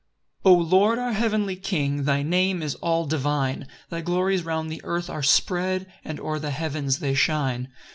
1 O Lord, our heavenly King, Thy name is all divine; Thy glories round the earth are spread, And o'er the heavens they shine.